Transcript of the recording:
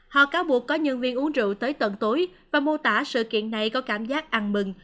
họ cáo buộc có nhân viên uống rượu tới tận tối và mô tả sự kiện này có cảm giác ăn mừng